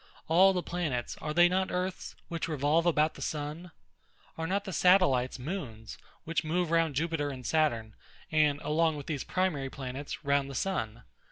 All the planets, are they not earths, which revolve about the sun? Are not the satellites moons, which move round Jupiter and Saturn, and along with these primary planets round the sun?